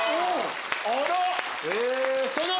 お！